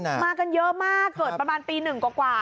มากันเยอะมากเกิดประมาณตีหนึ่งกว่า